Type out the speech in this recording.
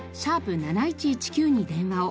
７１１９に電話を。